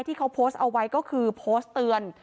ที่เขาโพสต์เอาไว้ก็คือโพสต์เตือน